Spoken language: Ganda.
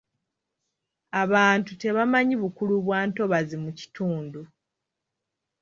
Abantu tebamanyi bukulu bwa ntobazi mu kitundu.